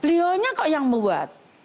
belionya kok yang membuat